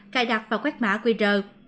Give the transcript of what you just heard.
cài đặt và quét mã quy rờ